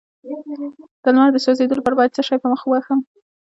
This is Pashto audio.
د لمر د سوځیدو لپاره باید څه شی په مخ ووهم؟